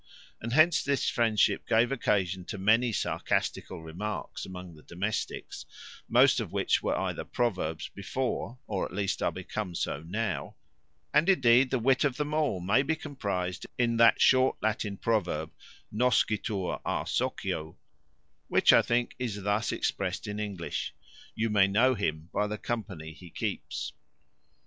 And hence this friendship gave occasion to many sarcastical remarks among the domestics, most of which were either proverbs before, or at least are become so now; and, indeed, the wit of them all may be comprised in that short Latin proverb, "Noscitur a socio;" which, I think, is thus expressed in English, "You may know him by the company he keeps."